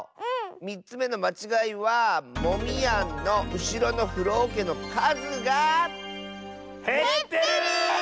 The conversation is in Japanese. ３つめのまちがいはモミヤンのうしろのふろおけのかずが。へってる！